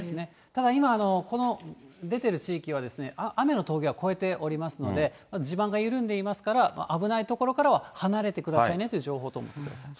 ただ、今、この出ている地域はですね、雨の峠は越えておりますので、地盤が緩んでいますから、危ない所からは離れてくださいねという情報と思ってください。